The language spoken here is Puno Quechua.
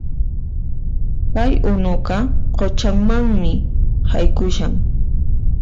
Kay unuqa quchamanmi haykushan